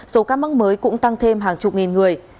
số ca mắc mới cũng tăng thêm hàng chục nghìn người